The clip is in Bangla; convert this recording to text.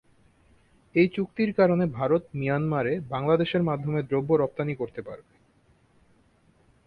এই চুক্তির কারণে ভারত মায়ানমারে বাংলাদেশের মাধ্যমে দ্রব্য রপ্তানী করতে পারবে।